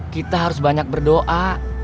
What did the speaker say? kita harus banyak berdoa